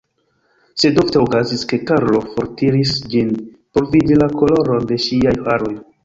Sed ofte okazis, ke Karlo fortiris ĝin por vidi la koloron de ŝiaj haroj.